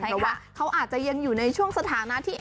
เพราะว่าเขาอาจจะยังอยู่ในช่วงสถานะที่